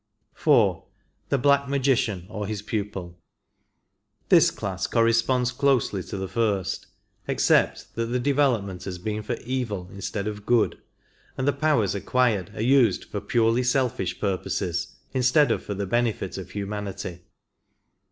4. The Black Magician or his pupiL This class corre sponds closely to the first, except that the development has been for evil instead of good, and the powers acquired are used for purely selfish purposes instead of for the benefit of humanity.